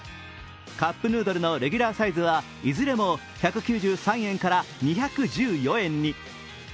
カップヌードルのレギュラーサイズはいずれも１９３円から２１４円に。